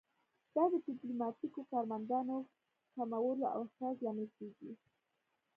دا د ډیپلوماتیکو کارمندانو کمولو او اخراج لامل کیږي